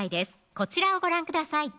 こちらをご覧ください